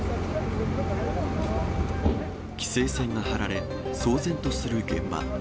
規制線が張られ、騒然とする現場。